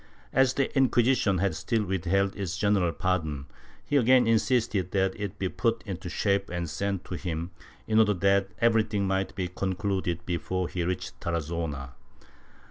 As the Inquisition had still with held its general pardon, he again insisted that it be put into shape and sent to him, in order that everything might be concluded before he reached Tarazona.